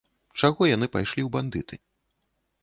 Чаго яны пайшлі ў бандыты?